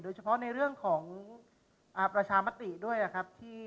เฉพาะในเรื่องของประชามติด้วยนะครับ